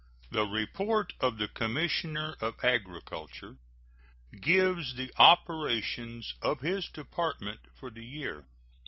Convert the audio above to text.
The report of the Commissioner of Agriculture gives the operations of his Department for the year.